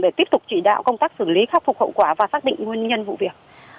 để tiếp tục chỉ đạo công tác xử lý khắc phục hậu quả và xác định nguyên nhân vụ việc